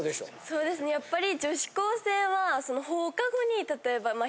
そうですねやっぱり。